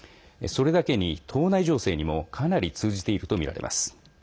それだけに党内情勢にもかなり通じているとみられます。